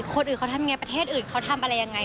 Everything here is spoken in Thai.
คนอื่นเขาทำยังไงประเทศอื่นเขาทำอะไรยังไง